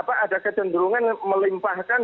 ada kecenderungan melimpahkan